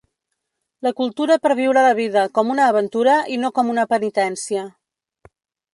La cultura per viure la vida com una aventura i no com una penitència.